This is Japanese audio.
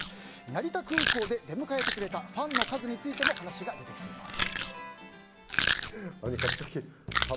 成田空港で出迎えてくれたファンの数についても話が出ています。